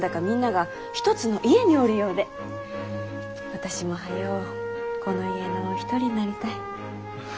私も早うこの家の一人になりたい。